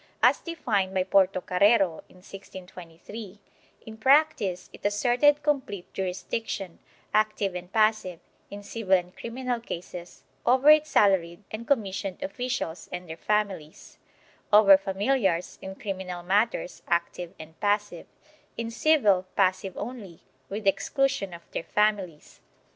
As defined by Portocarrero, in 1623, in practice it asserted complete jurisdiction, active and passive, in civil and criminal cases, over its salaried and com missioned officials and their families; over familiars, in criminal matters, active and passive; in civil, passive only, with exclusion of their families.